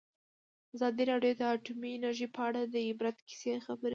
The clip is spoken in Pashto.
ازادي راډیو د اټومي انرژي په اړه د عبرت کیسې خبر کړي.